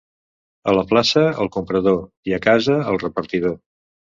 A la plaça, el comprador, i a casa, el repartidor.